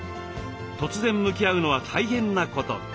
突然向き合うのは大変なこと。